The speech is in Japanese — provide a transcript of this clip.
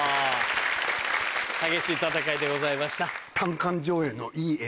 激しい戦いでございました。